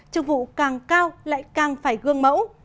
trường vụ càng cao lại càng phải gương mẫu